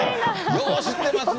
よう知ってますね。